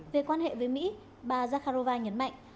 về quan hệ với mỹ bà zakharova nhấn mạnh